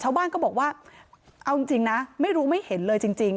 ชาวบ้านก็บอกว่าเอาจริงนะไม่รู้ไม่เห็นเลยจริง